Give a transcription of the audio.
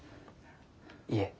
いえ。